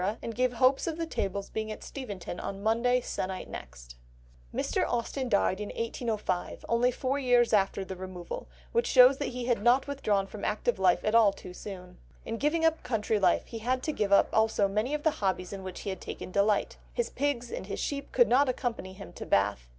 and gave hopes of the tables being at Steventon on Monday se'nnight next." Mr. Austen died in 1805, only four years after the removal, which shows that he had not withdrawn from active life at all too soon. In giving up country life he had to give up also many of the hobbies in which he had taken delight; his pigs and his sheep could not accompany him to Bath.